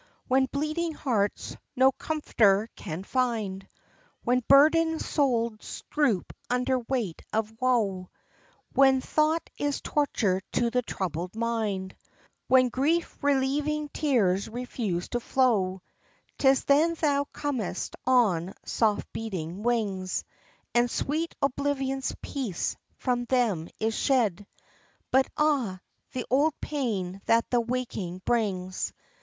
When bleeding hearts no comforter can find, When burdened souls droop under weight of woe, When thought is torture to the troubled mind, When grief relieving tears refuse to flow; 'Tis then thou comest on soft beating wings, And sweet oblivion's peace from them is shed; But ah, the old pain that the waking brings!